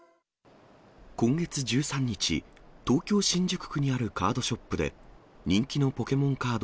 今月１３日、東京・新宿区にあるカードショップで、人気のポケモンカード